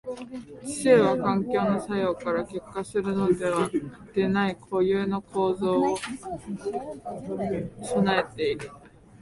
知性は環境の作用から結果するのでない固有の構造を具えている。